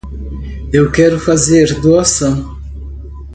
Eu quero fazer doação.